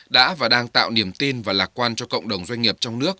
đã và đang tạo niềm tin và lạc quan cho cộng đồng doanh nghiệp trong nước